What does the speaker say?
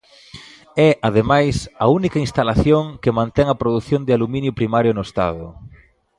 É, ademais, a única instalación que mantén a produción de aluminio primario no Estado.